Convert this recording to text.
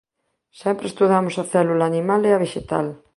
Sempre estudamos a célula animal e a vexetal.